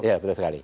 iya betul sekali